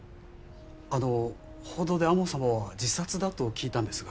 あの報道で天羽様は自殺だと聞いたんですが。